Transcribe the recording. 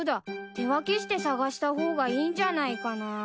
手分けして捜した方がいいんじゃないかなぁ。